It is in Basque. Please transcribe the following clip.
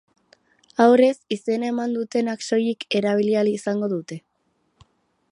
Aurrez izena eman dutenek soilik erabili ahal izango dute.